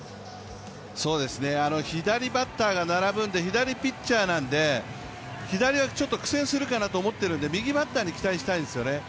左バッターが並ぶんで、左ピッチャーなので左はちょっと苦戦するかなと思ってるんで右バッターに期待したいですよね。